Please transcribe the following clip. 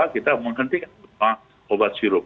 kita menghentikan obat sirup